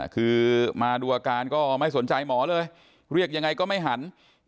คือมาดูอาการก็ไม่สนใจหมอเลยเรียกยังไงก็ไม่หัน